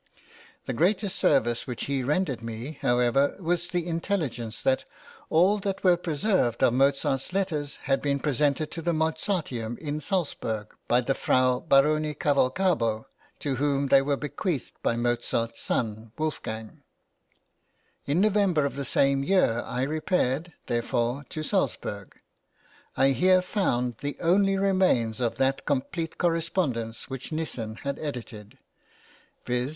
The greatest service which he rendered me, however, was the intelligence that all that were preserved of Mozart's letters had been presented to the Mozarteum in Salzburg by the Frau Baroni Cavalcabo, to whom they were bequeathed by Mozart's son Wolfgang. In November of the same year I repaired, therefore, to Salzburg. I here found the only remains of that complete correspondence which Nissen had edited, viz.